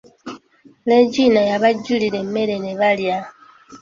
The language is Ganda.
Leegina yabajjulira emmere ne balya.